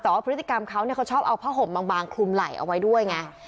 แต่ว่าพฤติกรรมเขาเนี่ยเขาชอบเอาผ้าห่มบางคลุมไหล่เอาไว้ด้วยไง